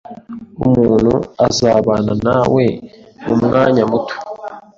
Umuntu azabana nawe mumwanya muto